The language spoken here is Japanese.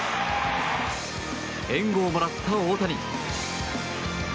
援護をもらった大谷。